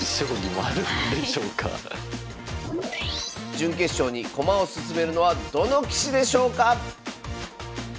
準決勝に駒を進めるのはどの棋士でしょうか！